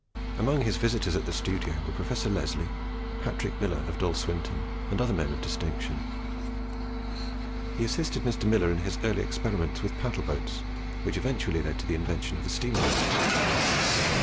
Among his visitors at the studio were Professor Leslie, Patrick Miller of Dalswinton, and other men of distinction. He assisted Mr. Miller in his early experiments with paddle boats, which eventually led to the invention of the steamboat.